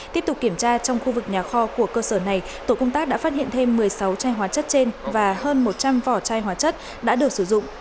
tiếp tục kiểm tra trong khu vực nhà kho của cơ sở này tổ công tác đã phát hiện thêm một mươi sáu chai hóa chất trên và hơn một trăm linh vỏ chai hóa chất đã được sử dụng